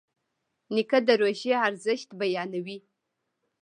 نیکه د روژې ارزښت بیانوي.